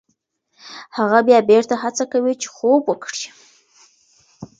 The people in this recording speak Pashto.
هغه بیا بېرته هڅه کوي چې خوب وکړي.